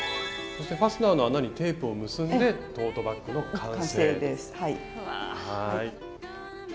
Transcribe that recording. そしてファスナーの穴にテープを結んでトートバッグの完成です。